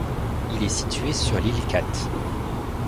Il est situé sur l'île Cat.